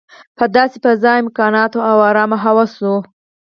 په داسې فضا، امکاناتو او ارامه حواسو.